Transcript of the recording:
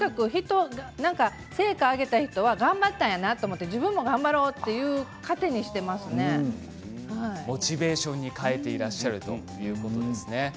成果をあげた人は頑張ったんやなと思って自分も頑張ろうとモチベーションに変えているということですね。